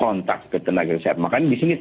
kontak ke tenaga kesehatan makanya di sini